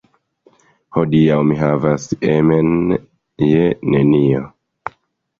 Hodiaŭ mi havas emen je nenio.